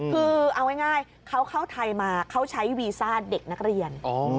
คือเอาง่ายเขาเข้าไทยมาเขาใช้วีซ่าเด็กนักเรียน